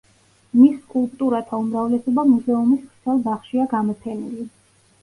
მის სკულპტურათა უმრავლესობა მუზეუმის ვრცელ ბაღშია გამოფენილი.